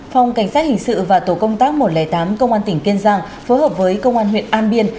phòng cảnh sát hình sự và tổ công tác một trăm linh tám công an tỉnh kiên giang phối hợp với công an huyện an biên